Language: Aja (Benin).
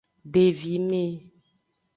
Devime.